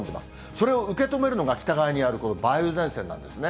それを受け止めるのが、北側にあるこの梅雨前線なんですね。